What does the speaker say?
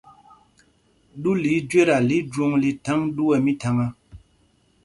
Ɗú lɛ́ íjüéta lí jwǒŋ lí thaŋ ɗú ɛ mítháŋá.